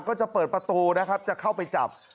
ก็จะเปิดประตูนะครับจะเข้าไปจับ